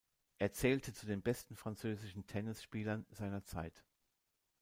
Er zählte zu den besten französischen Tennisspielern seiner Zeit.